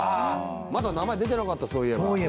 まだ名前出てなかったそういえば。